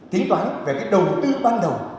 tính toán về cái đầu tư ban đầu